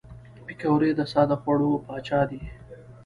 پکورې د ساده خوړو پاچا دي